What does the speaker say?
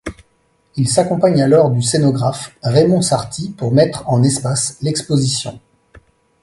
Il s'accompagne alors du scénographe Raymond Sarti pour mettre en espace l'exposition.